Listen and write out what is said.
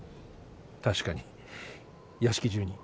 確かに屋敷中に。